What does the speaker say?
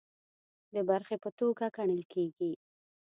د برخې په توګه ګڼل کیږي